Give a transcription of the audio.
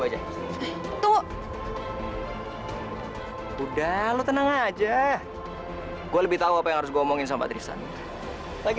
hai udah lo tenang aja gua lebih tahu apa yang harus ngomongin sama tristan lagi